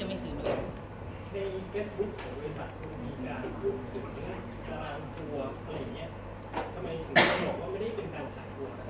ทำไมคุณบอกว่าไม่ได้เป็นการถ่ายทัวร์ครับ